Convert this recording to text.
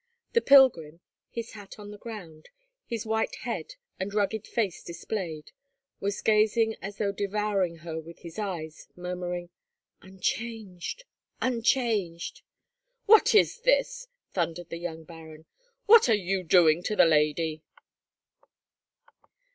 The pilgrim—his hat on the ground, his white head and rugged face displayed—was gazing as though devouring her with his eyes, murmuring, "Unchanged! unchanged!" "What is this!" thundered the young Baron. "What are you doing to the lady?"